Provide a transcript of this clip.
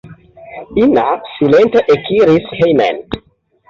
Ina silente ekiris hejmen.